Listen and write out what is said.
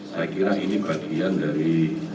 saya kira ini bagian dari